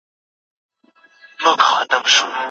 له روسیې سره سوداګري به روانه وي.